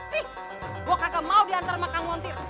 nih gue kagak mau diantar makam montir